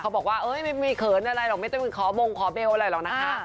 บอกว่าไม่มีเขินอะไรหรอกไม่ต้องไปขอบงขอเบลอะไรหรอกนะคะ